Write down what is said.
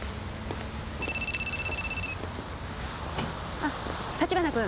あ立花君。